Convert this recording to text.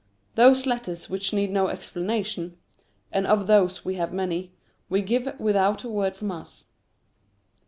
Those letters which need no explanation and of those we have many we give without a word from us.